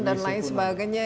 dan lain sebagainya